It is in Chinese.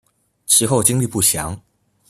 其后经历不详。